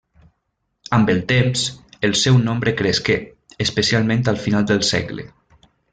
Amb el temps, el seu nombre cresqué, especialment al final del segle.